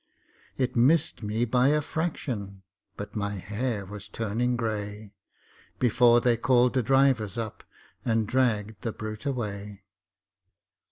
It missed me by a fraction, but my hair was turning grey Before they called the drivers up arid dragged the brute away.